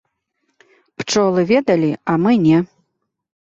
Пчолы ведалі, а мы не.